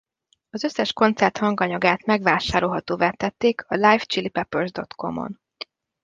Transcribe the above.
Az összes koncert hanganyagát megvásárolhatóvá tették a LiveChiliPeppers.com-on.